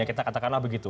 kita katakanlah begitu